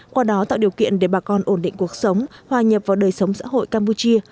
qua đó tạo điều kiện để bà con ổn định cuộc sống hòa nhập vào đời sống xã hội campuchia